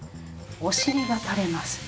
お尻がたれます。